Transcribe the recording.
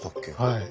はい。